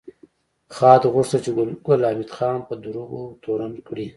خاد غوښتل چې ګل حمید خان په دروغو تورن کړي